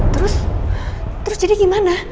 terus terus jadi gimana